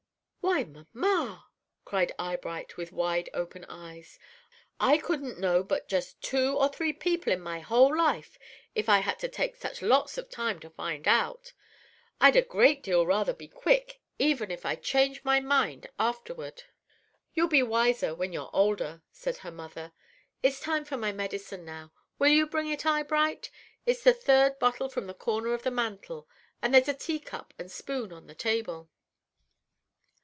"Why, mamma!" cried Eyebright, with wide open eyes. "I couldn't know but just two or three people in my whole life if I had to take such lots of time to find out! I'd a great deal rather be quick, even if I changed my mind afterward." "You'll be wiser when you're older," said her mother. "It's time for my medicine now. Will you bring it, Eyebright? It's the third bottle from the corner of the mantel, and there's a tea cup and spoon on the table."